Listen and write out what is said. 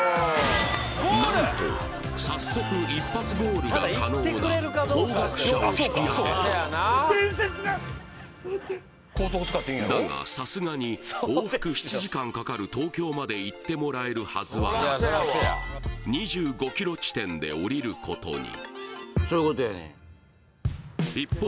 何と早速一発ゴールが可能な高額車を引き当てた伝説が待ってだがさすがに往復７時間かかる東京まで行ってもらえるはずはなく２５ｋｍ地点で降りることに一方